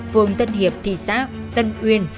phường tân hiệp thị xác tân uyên